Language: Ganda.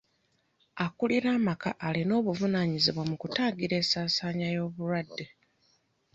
Akulira amaka alina obuvunaanyizibwa mu kutangira ensaasaana y'obulwadde.